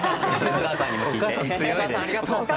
お母さんありがとう。